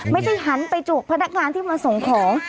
หันไปจวกพนักงานที่มาส่งของ